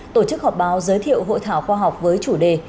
tổ chức họp báo giới thiệu hội thảo khoa học với chủ đề